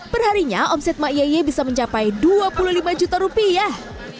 perharinya omset ma'yeyye bisa mencapai dua puluh lima juta rupiah